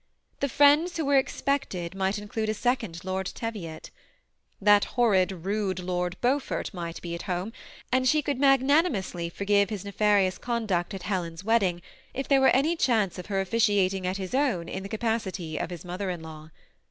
The friends who were expect ed might include a second Lord Teviot. That horrid, rude Lord Beaufort might be at home, and she could magnanimously forgive his nefarious conduct at Helen's wedding, if there were any chance of her officiating at his own in the capacity of his mother in law.